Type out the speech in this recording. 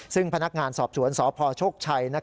ซึ่งพนักงานสอบสวนสพโชคชัย